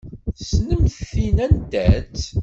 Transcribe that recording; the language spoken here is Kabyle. Tessnemt tin anta-tt?